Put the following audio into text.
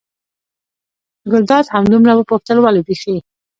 ګلداد همدومره وپوښتل: ولې بېخي.